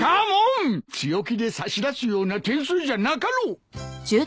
強気で差し出すような点数じゃなかろう！